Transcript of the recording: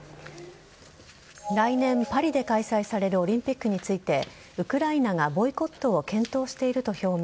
来年、パリで開催されるオリンピックについてウクライナがボイコットを検討していると表明。